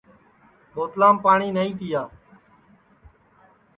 ٻوتلام پاٹؔی نائی تِیا